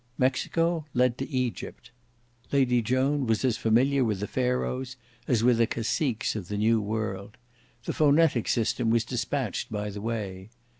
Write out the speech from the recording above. Mexico led to Egypt. Lady Joan was as familiar with the Pharaohs as with the Caciques of the new world. The phonetic system was despatched by the way.